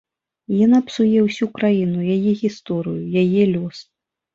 Яна псуе ўсю краіну, яе гісторыю, яе лёс.